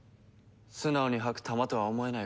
素直に吐くタマとは思えないが。